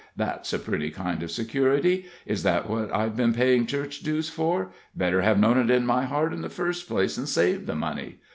"That's a pretty kind of security. Is that what I've been paying church dues for? Better have known it in my heart in the first place, and saved the money.